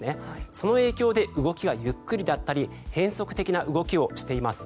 その影響で動きがゆっくりだったり変則的な動きをしています。